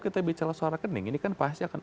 kita bicara soal rekening ini kan pasti akan